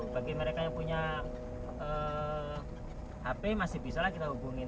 bagi mereka yang punya hp masih bisa lah kita hubungin